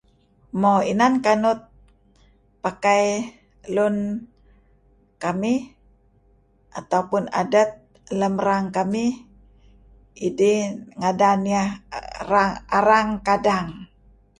Mo inan kanut pakai lun kamih ataupun adet lem erang kamih idih ngadan iyeh arang kadang .